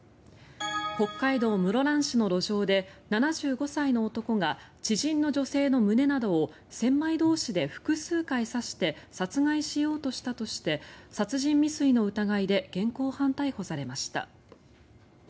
北海道室蘭市の路上で７５歳の男が知人の女性の胸などを千枚通しで複数回刺して殺害しようとしたとして殺人未遂の疑いで現行犯逮捕されました。